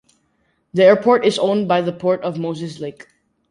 The airport is owned by the Port of Moses Lake.